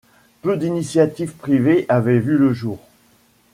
Peu d'initiatives privées avaient vu le jour.